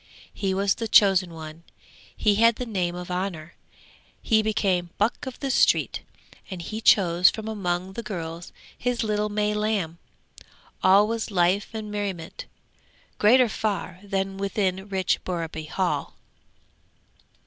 He was the chosen one, he had the name of honour, he became 'Buck of the Street!' and he chose from among the girls his little May lamb. All was life and merriment, greater far than within rich Borreby Hall.